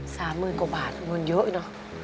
สามหมื่นกว่าบาทเงินเยอะเนอะ